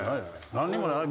何にもない。